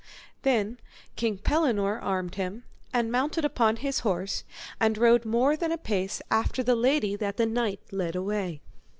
Then King Pellinore armed him and mounted upon his horse, and rode more than a pace after the lady that the knight led away.